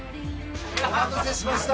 お待たせしました！